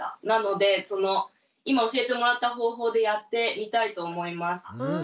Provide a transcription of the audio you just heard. なので今教えてもらった方法でやってみたいと思います。